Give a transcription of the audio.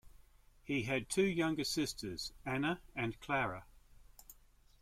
He had two younger sisters, Anna and Clara.